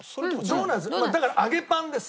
まあだから揚げパンです